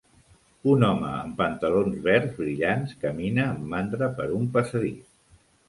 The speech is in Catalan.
Un home amb pantalons verds brillants camina amb mandra per un passadís.